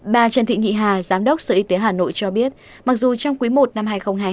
bà trần thị nghị hà giám đốc sở y tế hà nội cho biết mặc dù trong quý i năm hai nghìn hai mươi hai